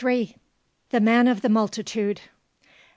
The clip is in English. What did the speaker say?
THE MAN OF THE MULTITUDE.